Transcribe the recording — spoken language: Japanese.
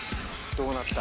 どうなった？